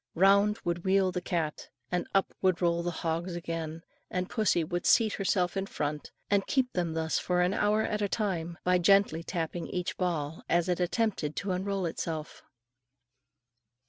Round would wheel the cat, and up would roll the hogs again, then pussy would seat herself in front, and keep them thus for an hour at a time, by gently tapping each ball as it attempted to unroll itself.